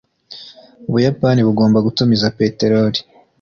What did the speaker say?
ubuyapani bugomba gutumiza peteroli